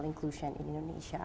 inklusi keuangan di indonesia